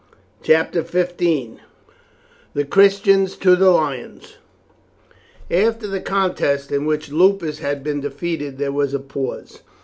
CHAPTER XV: THE CHRISTIANS TO THE LIONS After the contest in which Lupus had been defeated there was a pause.